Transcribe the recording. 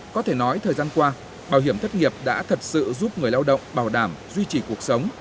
có thể nói thời gian qua bảo hiểm thất nghiệp đã thật sự giúp người lao động bảo đảm duy trì cuộc sống